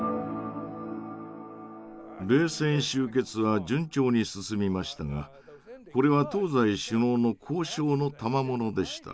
冷戦終結は順調に進みましたがこれは東西首脳の「交渉」のたまものでした。